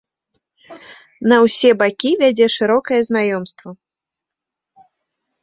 На ўсе бакі вядзе шырокае знаёмства.